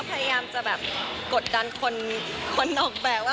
พยายามจะแบบกดดันคนนอกแบบว่า